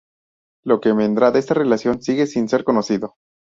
Lo que vendrá de esta relación sigue sin ser conocido.